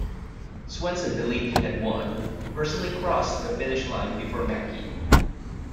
Swenson believed he had won-he personally crossed the finish line before Mackey.